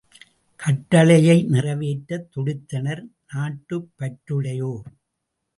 கட்டளையை நிறைவேற்ற துடித்தனர் நாட்டுப்பற்றுடையோர்.